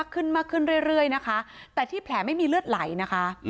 ขึ้นมากขึ้นเรื่อยนะคะแต่ที่แผลไม่มีเลือดไหลนะคะ